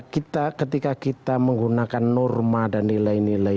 ketika kita menggunakan norma dan nilai nilai